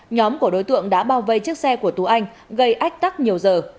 nhóm của đối tượng đã bao vây chiếc xe của tú anh gây ách tắc nhiều giờ